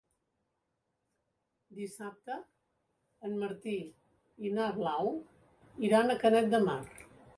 Dissabte en Martí i na Blau iran a Canet de Mar.